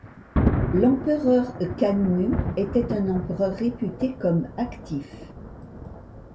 L'empereur Kanmu était un empereur réputé comme actif.